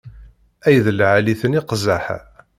Ay d lɛali-ten iqzaḥ-a!